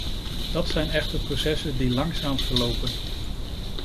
Dat zijn echter processen die langzaam verlopen.